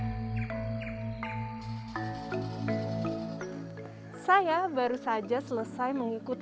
ketika penghubungan wisata penglipuran